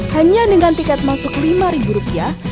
hanya dengan tiket masuk lima rupiah